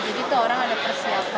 jadi tuh orang ada persiapan